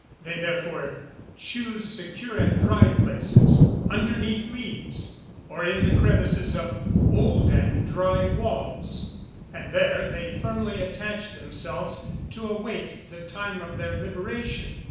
They therefore choose secure and dry places, underneath leaves, or in the crevices of old and dry walls, and there they firmly attach themselves, to await the time of their liberation.